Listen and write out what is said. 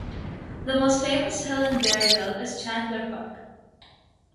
The most famous hill in Berryhill is Chandler Park.